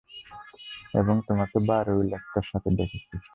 এবং তোমাকে বারে ঐ লোকটার সাথে দেখেছি।